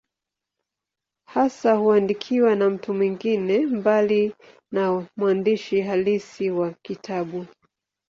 Hasa huandikwa na mtu mwingine, mbali na mwandishi halisi wa kitabu.